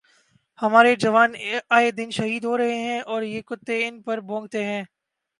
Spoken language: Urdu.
ہمارے جوان اے دن شہید ہو رہے ہیں اور یہ کتے ان پر بھونکتے ہیں